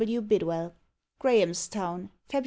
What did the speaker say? W. Bidwell._ GRAHAMSTOWN, _Feb.